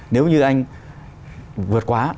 nếu như anh vượt quá